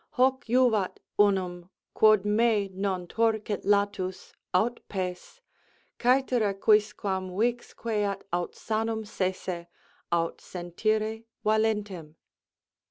Hoc juvat unum, Quod me non torquet latus, aut pes; Cætera quisquam Vix queat aut sanum sese, aut sentire valentem.